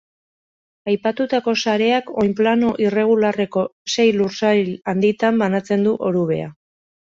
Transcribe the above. Aipatutako sareak oinplano irregularreko sei lursail handitan banatzen du orubea.